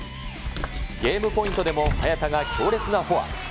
ゲームポイントでも早田が強烈なフォア。